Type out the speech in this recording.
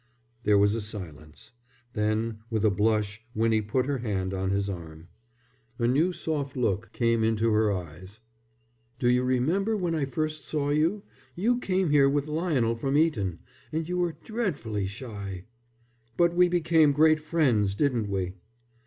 There was a silence. Then with a blush Winnie put her hand on his arm. A new soft look came into her eyes. "Do you remember when I first saw you? You came here with Lionel from Eton. And you were dreadfully shy." "But we became great friends, didn't we?"